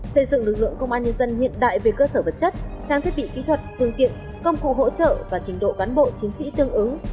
xây dựng lực lượng công an nhân dân hiện đại về cơ sở vật chất trang thiết bị kỹ thuật phương tiện công cụ hỗ trợ và trình độ cán bộ chiến sĩ tương ứng